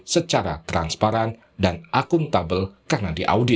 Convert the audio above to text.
secara transparan dan akuntabel karena diaudit